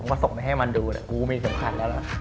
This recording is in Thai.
ผมก็ส่งไปให้มันดูเนี่ยกูมีเสียงขันแล้วนะ